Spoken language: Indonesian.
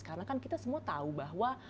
karena kan kita semua tahu bahwa